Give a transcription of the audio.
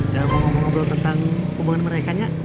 ya mau ngobrol tentang hubungan mereka nya